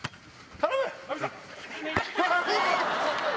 頼む！